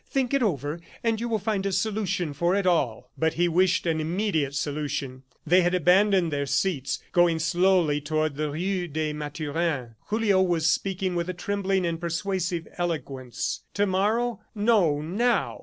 Think it over, and you will find a solution for it all." But he wished an immediate solution. They had abandoned their seats, going slowly toward the rue des Mathurins. Julio was speaking with a trembling and persuasive eloquence. To morrow? No, now.